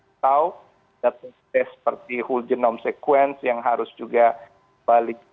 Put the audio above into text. nah ini kita tahu seperti whole genome sequence yang harus juga dibalik